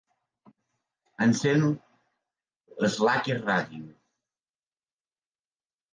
Encén Slacker radio.